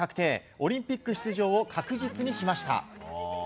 オリンピック出場を確実にしました。